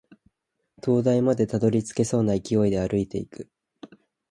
灯台までたどり着けそうな勢いで歩いていく